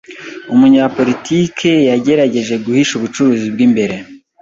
Umunyapolitike yagerageje guhisha ubucuruzi bwimbere.